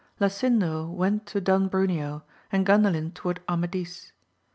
Lasindo went to Don Broneo, and GandaUn toward Amadis.